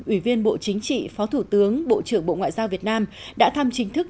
ủy viên bộ chính trị phó thủ tướng bộ trưởng bộ ngoại giao việt nam đã thăm chính thức